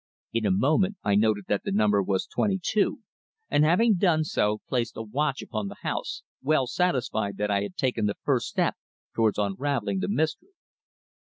In a moment I noted that the number was twenty two, and having done so placed a watch upon the house, well satisfied that I had taken the first step towards unravelling the mystery."